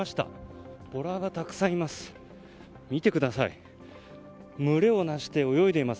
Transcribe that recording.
ボラがたくさんいます。